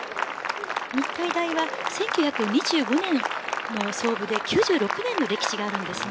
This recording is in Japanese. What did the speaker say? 日体大は１９２５年の創部で９６年の歴史があります。